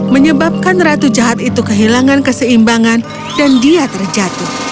menyebabkan ratu jahat itu kehilangan keseimbangan dan dia terjatuh